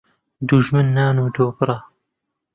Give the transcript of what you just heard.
دوژمن نان و دۆ بڕە